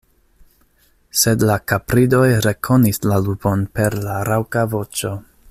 Sed la kapridoj rekonis la lupon per la raŭka voĉo.